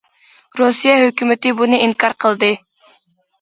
رۇسىيە ھۆكۈمىتى بۇنى ئىنكار قىلدى.